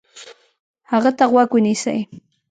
هغه ته غوږ ونیسئ،